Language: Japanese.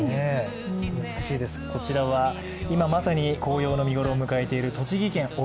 美しいです、こちらは今まさに紅葉の見頃を迎えている栃木県奥